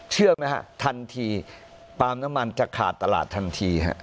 เชื่องไหมฮะทันทีปลามน้ำมันจะขาดตลาดทันทีฮะ